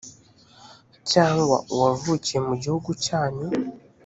cyangwa uwavukiye mu gihugu cyanyu